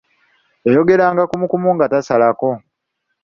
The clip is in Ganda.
Yayogeranga kumu kumu nga tasalako.